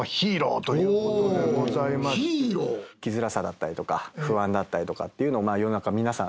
生きづらさだったりとか不安だったりとかっていうのを世の中皆さん